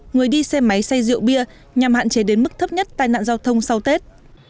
người đi xe máy xe rượu bia nhằm hạn chế đến mức thấp nhất tai nạn giao thông sau tết